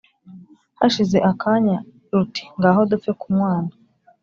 hashize akanya ruti «ngaho dupfe kunywana,